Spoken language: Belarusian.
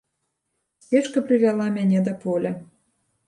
Сцежка прывяла мяне да поля.